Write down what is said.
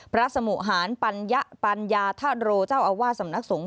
พระสมุหานปัญญาทาโรเจ้าอาวาสสำนักสงฆ์